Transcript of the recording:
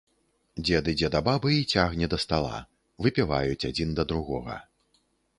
Дзед ідзе да бабы і цягне да стала, выпіваюць адзін да другога.